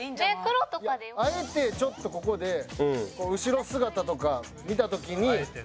あえてちょっとここで後ろ姿とか見た時に。